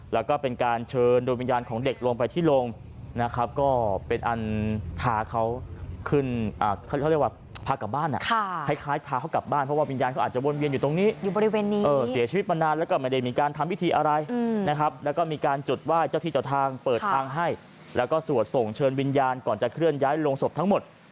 แล้วก็เป็นการเชิญโดยวิญญาณของเด็กลงไปที่โรงนะครับก็เป็นอันพาเขาขึ้นเขาเรียกว่าพากลับบ้านอ่ะคล้ายพาเขากลับบ้านเพราะว่าวิญญาณเขาอาจจะวนเวียนอยู่ตรงนี้อยู่บริเวณนี้เสียชีวิตมานานแล้วก็ไม่ได้มีการทำพิธีอะไรนะครับแล้วก็มีการจุดไหว้เจ้าที่เจ้าทางเปิดทางให้แล้วก็สวดส่งเชิญวิญญาณก่อนจะเคลื่อนย้ายลงศพทั้งหมด